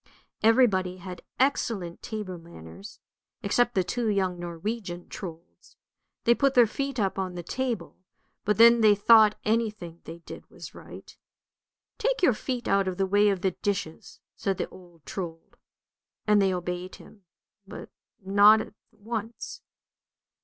Everybody had excellent table manners, except the two young Norwegian Trolds ; they put their feet up on the table, but then they thought any thing they did was right. " Take your feet out of the way of the dishes," said the old Trold, and they obeyed him, but not at once.